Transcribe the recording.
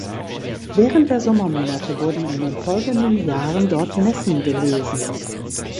Während der Sommermonate wurden in den folgenden Jahren dort Messen gelesen.